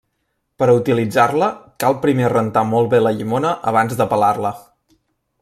Per a utilitzar-la cal primer rentar molt bé la llimona abans de pelar-la.